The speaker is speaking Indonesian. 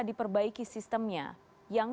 diperbaiki sistemnya yang